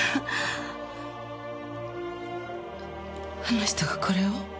あの人がこれを？